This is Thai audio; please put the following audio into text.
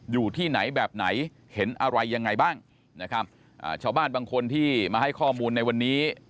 อยู่ที่ไหนแบบไหนเห็นอะไรยังไงบ้างนะครับอ่าชาวบ้านบางคนที่มาให้ข้อมูลในวันนี้